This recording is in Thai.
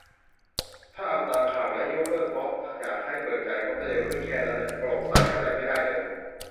ถ้าเอาตามข่าวนะ ยกเลิก เพราะอยากให้ เบิกจ่ายงบได้เร็วขึ้น แค่นั้นแหละ โปร่งใสอะไรไม่ได้เอ่ย